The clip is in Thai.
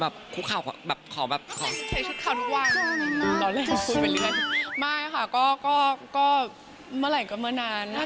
ปีนะคะแบบนั้นหรือเปล่าหรือนะคะนะคะ